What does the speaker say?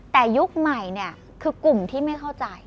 แต่ยุคใหม่เนี่ยคือกลุ่มที่ไม่เข้าใจ